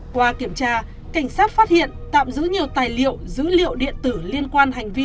qua kiểm tra cảnh sát phát hiện tạm giữ nhiều tài liệu dữ liệu điện tử liên quan hành vi